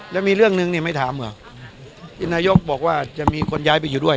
แล้วมีเรื่องนึงเนี่ยไม่ถามเหรอที่นายกบอกว่าจะมีคนย้ายไปอยู่ด้วย